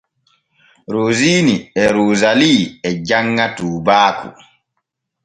Rosiini e Roosalii e janŋa tuubaaku.